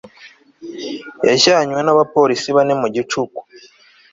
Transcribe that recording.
yajyanywe n'abapolisi bane mu gicuku